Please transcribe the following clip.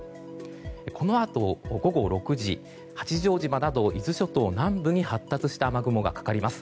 このあと午後６時八丈島など伊豆諸島南部に発達した雨雲がかかります。